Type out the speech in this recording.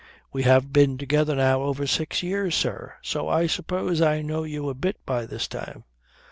"We have been together now over six years, sir, so I suppose I know you a bit by this time.